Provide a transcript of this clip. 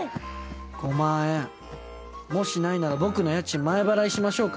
５万円もしないなら僕の家賃前払いしましょうか？